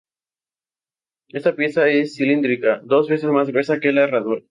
Esta pieza es cilíndrica, dos veces más gruesa que la herradura.